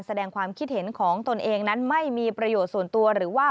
แสดงความคิดเห็นของตนเองนั้นไม่มีประโยชน์ส่วนตัวหรือว่า